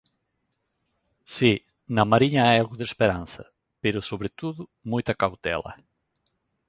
Si, na Mariña hai algo de esperanza, pero sobre todo moita cautela.